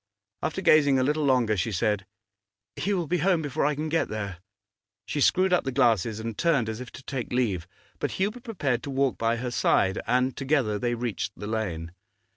After gazing a little longer, she said 'He will be home before I can get there.' She screwed up the glasses and turned as if to take leave. But Hubert prepared to walk by her side, and together they reached the lane.